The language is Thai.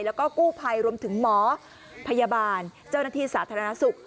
แล้วก็กู้ภัยรวมถึงหมอพยาบาลเจ้าหน้าที่สาธารณสุข